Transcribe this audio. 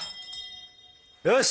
よし！